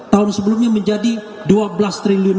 tahun sebelumnya menjadi rp dua belas triliun